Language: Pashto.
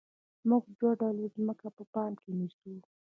موږ دوه ډوله ځمکه په پام کې نیسو